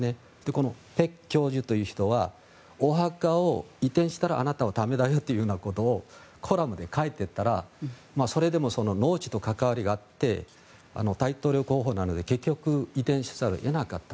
このペク教授という人はお墓を移転したらあなたは駄目だよということをコラムで書いていたらそれでも農地と関わりがあって大統領候補なので結局、移転せざるを得なかった。